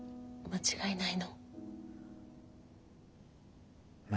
間違いない。